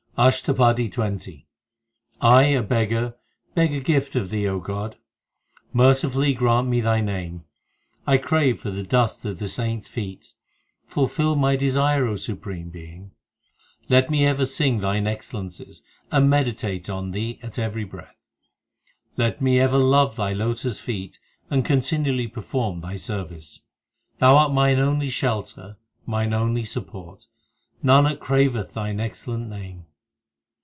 ASHTAPADI XX I, a beggar, beg a gift of Thee, God : Mercifully grant me Thy name. I crave for the dust of the saints feet ; Fulfil my desire, O Supreme Being. Let me ever sing Thine excellences, And meditate on Thee, at every breath ; Let me ever love Thy lotus feet, And continually perform Thy service. Thou art mine only shelter, mine only support Nanak craveth Thine excellent name.